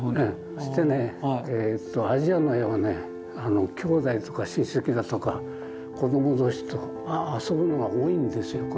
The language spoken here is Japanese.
そしてねアジアの絵はねきょうだいとか親戚だとか子ども同士と遊ぶのが多いんですよ。